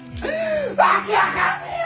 訳わかんねえよ！